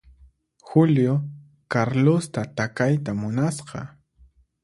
Julio Carlosta takayta munasqa.